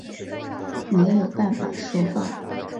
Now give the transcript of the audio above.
没有办法说话